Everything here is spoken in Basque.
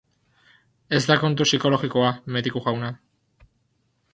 Ez da kontu psikologikoa, mediku jauna.